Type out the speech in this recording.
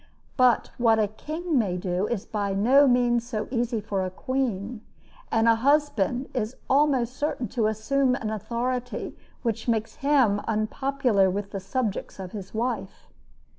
But what a king may do is by no means so easy for a queen; and a husband is almost certain to assume an authority which makes him unpopular with the subjects of his wife.